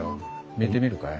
見てみるかい？